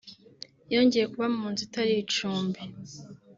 yongeye kuba mu nzu itari icumbi